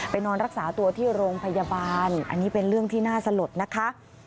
นอนรักษาตัวที่โรงพยาบาลอันนี้เป็นเรื่องที่น่าสลดนะคะ